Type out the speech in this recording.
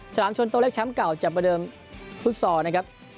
ฉลามชนโตเล็กแชมป์เก่าจะประเดิมฟุตซอลนะครับ